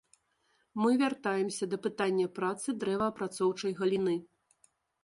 Мы вяртаемся да пытання працы дрэваапрацоўчай галіны.